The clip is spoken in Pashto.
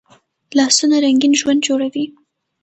لاسونه رنګین ژوند جوړوي